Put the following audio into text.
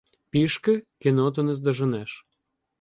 Пішки кінноту не здоженеш.